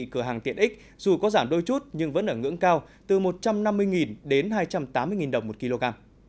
cửa hàng tiện ích dù có giảm đôi chút nhưng vẫn ở ngưỡng cao từ một trăm năm mươi đến hai trăm tám mươi đồng một kg